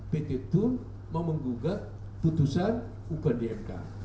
pt tun mau menggugat putusan ukdmk